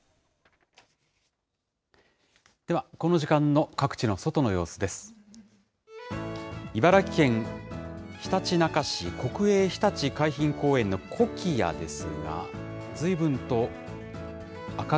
ではこの時間の各地の外の様子です。